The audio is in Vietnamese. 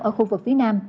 ở khu vực phía nam